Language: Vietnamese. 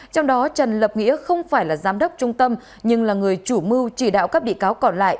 trong đó trần lập nghĩa không phải là giám đốc trung tâm nhưng là người chủ mưu chỉ đạo các bị cáo còn lại